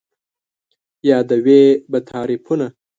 یادوې به تعريفونه